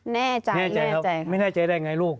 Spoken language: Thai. แน่ใจแน่ไม่แน่ใจได้ไงลูก